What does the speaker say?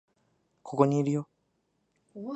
ここにいるよ